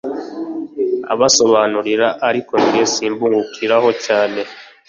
ubasobanurira ariko nge simbungukiraho cyane